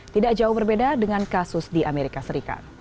tidak jauh berbeda dengan kasus di amerika serikat